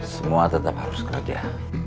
semua tetap harus kerja